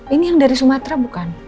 ini yang dari sumatera bukan